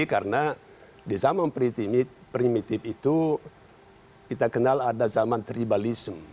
karena di zaman primitif itu kita kenal ada zaman tribalism